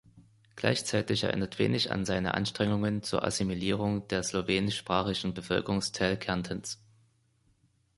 Gleichzeitig erinnert wenig an seine Anstrengungen zur Assimilierung des slowenischsprachigen Bevölkerungsteils Kärntens.